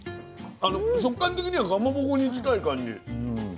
食感的にはかまぼこに近い感じ。